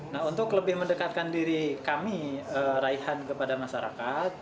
nah untuk lebih mendekatkan diri kami raihan kepada masyarakat